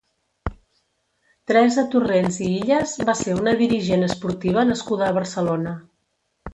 Teresa Torrens i Illas va ser una dirigent esportiva nascuda a Barcelona.